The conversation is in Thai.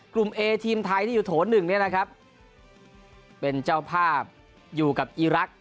เอทีมไทยที่อยู่โถหนึ่งเนี่ยนะครับเป็นเจ้าภาพอยู่กับอีรักษ